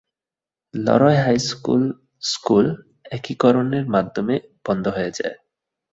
Leroy high school school একীকরণের মাধ্যমে বন্ধ হয়ে যায়।